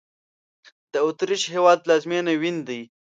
د اوترېش هېواد پلازمېنه وین دی